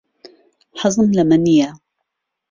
حەزم لەمە نییە.